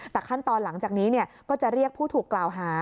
แต่ขั้นตอนหลังจากนี้ก็จะเรียกผู้ถูกกล่าวหา